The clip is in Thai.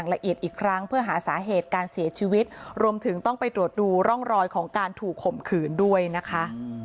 และข่มขืนด้วยนะคะ